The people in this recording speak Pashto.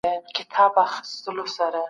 د پیسو ارزښت څنګه ساتل کېږي؟